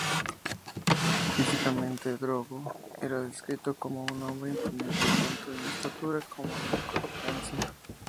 Físicamente, Drogo era descrito como un hombre imponente, tanto en estatura como en corpulencia.